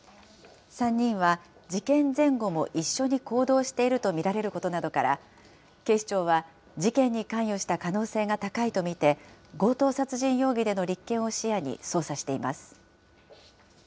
３人は事件前後も一緒に行動していると見られることなどから、警視庁は、事件に関与した可能性が高いと見て、強盗殺人容疑での立件を視野に捜査しています。